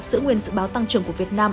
giữ nguyên sự báo tăng trưởng của việt nam